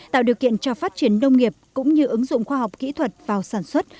tạo điều kiện cho phát triển nông nghiệp cũng như ứng dụng khoa học kỹ thuật vào sản xuất